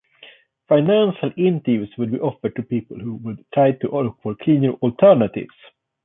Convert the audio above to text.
Financial incentives would be offered to people who try to look for cleaner alternatives.